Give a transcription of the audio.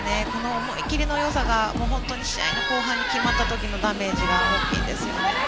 思い切りのよさが試合の後半に決まった時のダメージが大きいです。